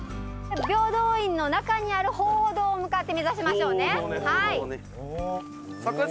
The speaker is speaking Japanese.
平等院の中にある鳳凰堂を向かって目指しましょうね。